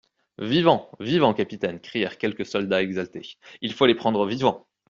Vivants ! vivants, capitaine ! crièrent quelques soldats exaltés ; il faut les prendre vivants.